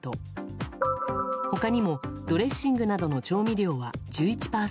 他にも、ドレッシングなどの調味料は１１％